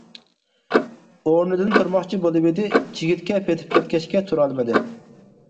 ئورنىدىن تۇرماقچى بولۇۋىدى، چىگىتكە پېتىپ كەتكەچكە تۇرالمىدى.